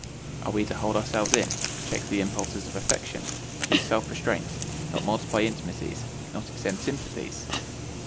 Are we to hold ourselves in, to check the impulses of affection, to use self restraint, not multiply intimacies, not extend sympathies?